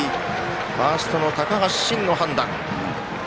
ファーストの高橋慎の判断。